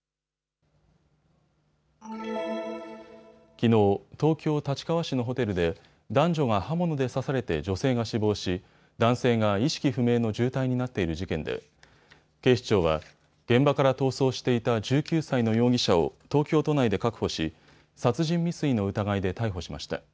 きのう、東京立川市のホテルで男女が刃物で刺されて女性が死亡し、男性が意識不明の重体になっている事件で警視庁は現場から逃走していた１９歳の容疑者を東京都内で確保し、殺人未遂の疑いで逮捕しました。